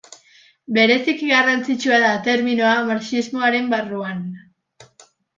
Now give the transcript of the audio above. Bereziki garrantzitsua da terminoa marxismoaren barruan.